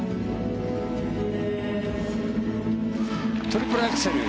トリプルアクセル。